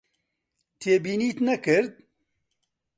تێبینیت نەکرد؟